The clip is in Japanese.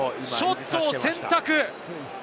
ショットを選択。